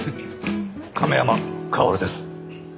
亀山薫です。